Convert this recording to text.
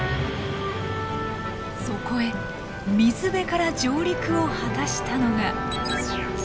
そこへ水辺から上陸を果たしたのが。